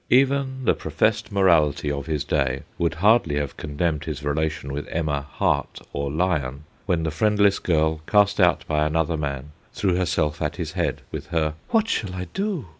Even the professed morality of his day would hardly have condemned his relation with Emma Hart, or Lyon, when the friendless girl, cast out by another man, threw herself at his head with her ' What shall I dow